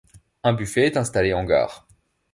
Un buffet est installé en gare.